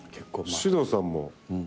獅童さん